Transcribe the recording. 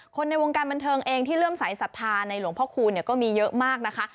ในวงการบันเทิงเองที่เริ่มสายศรัทธาในหลวงพ่อคูณก็มีเยอะมากนะคะ